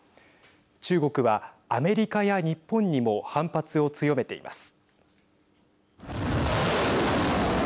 中国は、アメリカや日本にも反発を強めています。